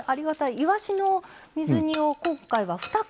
いわしの水煮を今回は２缶分ですね。